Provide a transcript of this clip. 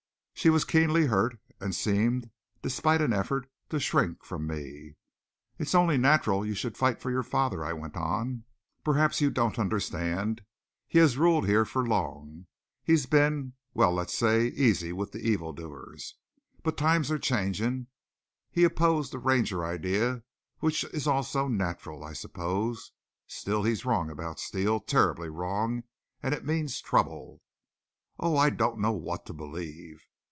She was keenly hurt and seemed, despite an effort, to shrink from me. "It's only natural you should fight for your father," I went on. "Perhaps you don't understand. He has ruled here for long. He's been well, let's say, easy with the evil doers. But times are changing. He opposed the Ranger idea, which is also natural, I suppose. Still, he's wrong about Steele, terribly wrong, and it means trouble." "Oh, I don't know what to believe!"